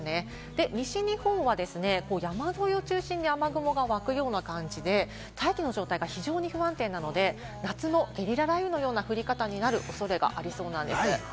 で、西日本は山沿いを中心に雨雲が湧くような感じで、大気の状態が非常に不安定なので、夏のゲリラ雷雨のような降り方になる恐れがありそうなんです。